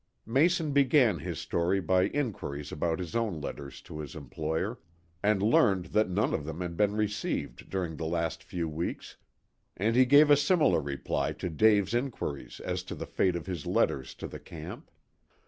Mason began his story by inquiries about his own letters to his employer, and learned that none of them had been received during the last few weeks, and he gave a similar reply to Dave's inquiries as to the fate of his letters to the camp.